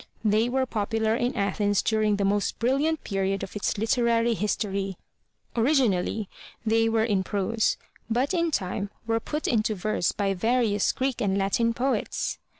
They were popular in Athens during the most brilliant period of its literary history. Originally they were in prose, but in time were put into verse by various Greek and Latin poets.